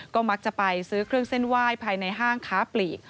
ก็มักจะไปซื้อเครื่องเส้นไหว้ภายในห้างค้าปลีก